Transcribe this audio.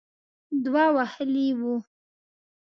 دوه وهلې وه.